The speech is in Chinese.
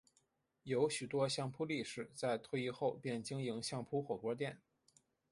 有许多相扑力士在退役后便经营相扑火锅店。